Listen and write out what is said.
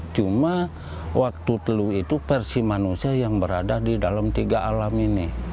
cuma waktu teluh itu versi manusia yang berada di dalam tiga alam ini